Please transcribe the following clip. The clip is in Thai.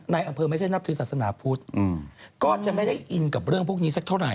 ในอำเภอไม่ใช่นับถือศาสนาพุทธก็จะไม่ได้อินกับเรื่องพวกนี้สักเท่าไห